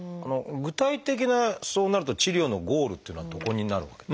具体的なそうなると治療のゴールっていうのはどこになるわけで？